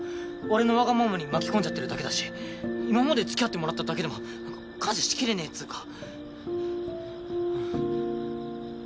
俺のわがままに巻き込んじゃってるだけだし今までつきあってもらっただけでも感謝しきれねぇっつうか！